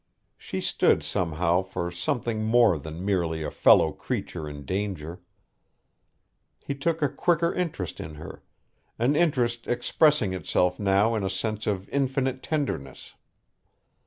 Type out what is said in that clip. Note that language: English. She stood somehow for something more than merely a fellow creature in danger. He took a quicker interest in her an interest expressing itself now in a sense of infinite tenderness.